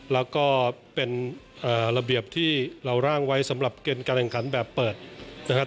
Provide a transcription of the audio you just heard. แล้วก็เป็นระเบียบที่เราร่างไว้สำหรับเกณฑ์การแข่งขันแบบเปิดนะครับ